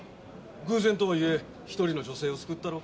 偶然とはいえ１人の女性を救ったろ？